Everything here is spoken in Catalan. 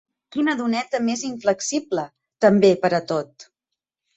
Quina doneta més inflexible, també, per a tot!